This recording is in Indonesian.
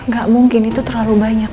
gak mungkin itu terlalu banyak